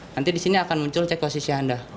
nanti di sini akan muncul cek posisi anda